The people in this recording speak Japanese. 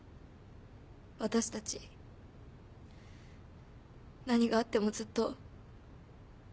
私たち何があってもずっと。